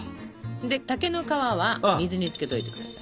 で竹の皮は水につけておいてください。